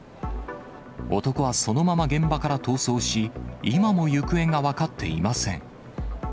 男はそのまま現場から逃走し、今も行方が分かっていません。